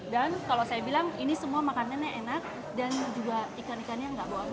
dan kalau saya bilang ini semua makanannya enak dan juga ikan ikannya gak bohong